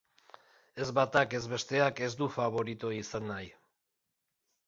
Ez batak ez besteak ez du faborito izan nahi.